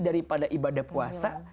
daripada ibadah puasa